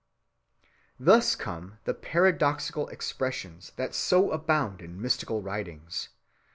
(263) Thus come the paradoxical expressions that so abound in mystical writings.